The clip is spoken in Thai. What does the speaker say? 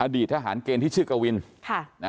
อดีตทหารเกณฑ์ที่ชื่อกวิน